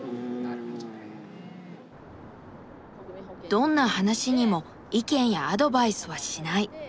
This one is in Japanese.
どんな話にも意見やアドバイスはしない。